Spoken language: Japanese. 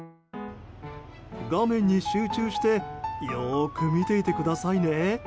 画面に集中してよーく見ていてくださいね。